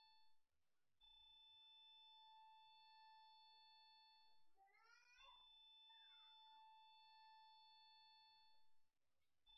کله چې یو سوړ او تود جسم په تماس شي.